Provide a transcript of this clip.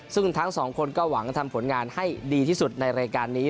ซึ่งทั้งสองคนก็หวังทำผลงานให้ดีที่สุดในรายการนี้